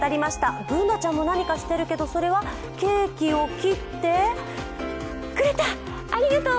Ｂｏｏｎａちゃんも何かしてるけどそれはケーキを切って、くれた、ありがとう。